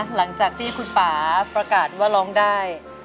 หลังจากที่คุณป่าประกาศว่าร้องได้